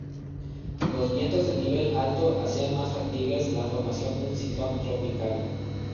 Los vientos de nivel alto hacían más factibles la formación de un ciclón tropical.